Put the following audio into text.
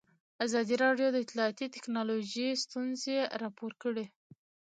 ازادي راډیو د اطلاعاتی تکنالوژي ستونزې راپور کړي.